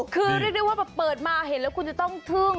คือเรียกได้ว่าแบบเปิดมาเห็นแล้วคุณจะต้องทึ่ง